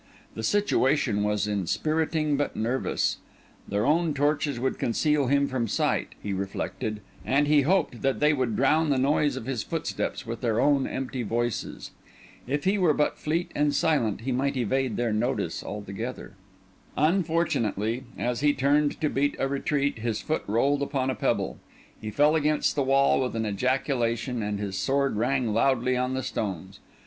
The situation was inspiriting but nervous. Their own torches would conceal him from sight, he reflected; and he hoped that they would drown the noise of his footsteps with their own empty voices. If he were but fleet and silent, he might evade their notice altogether. Unfortunately, as he turned to beat a retreat, his foot rolled upon a pebble; he fell against the wall with an ejaculation, and his sword rang loudly on the stones.